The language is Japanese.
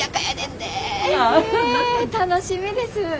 へえ楽しみです。